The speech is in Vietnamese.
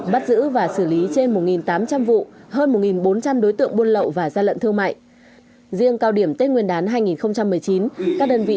bắt giữ và xử lý trên một tám trăm linh vụ hơn một bốn trăm linh đối tượng